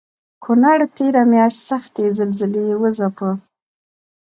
کونړ تېره مياشت سختې زلزلې وځپه